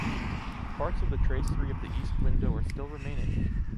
Parts of the tracery of the east window are still remaining.